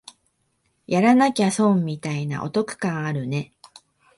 やらなきゃ損みたいなお得感あるね